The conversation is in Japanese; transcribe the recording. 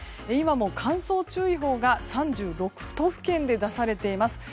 今も乾燥注意報が３６都府県で出されています。